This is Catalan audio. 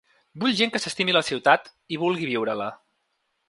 Vull gent que s’estimi la ciutat i vulgui viure-la.